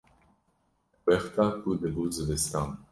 wexta ku dibû zivistan